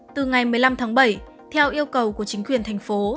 từ ngày một mươi năm tháng bảy theo yêu cầu của chính quyền thành phố